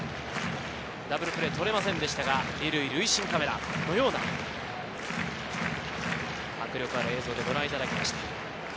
ダブルプレー取れませんでしたが、２塁塁審カメラから迫力ある映像でご覧いただきました。